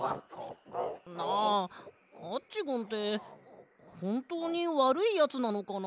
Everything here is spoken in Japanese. なあアッチゴンってほんとうにわるいやつなのかな？